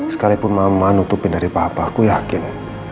sekalipun mama nutupin dari papa aku yakin